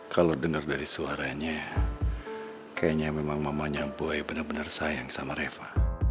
kalau dengar dari suaranya kayaknya memang mama nyambut ayah benar benar sayang sama reva